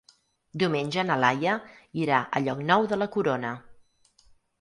Diumenge na Laia irà a Llocnou de la Corona.